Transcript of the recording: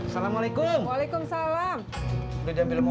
rasanya kok jurisdictions lainnya itu mak